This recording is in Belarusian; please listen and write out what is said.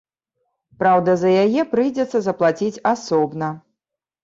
Праўда, за яе прыйдзецца заплаціць асобна.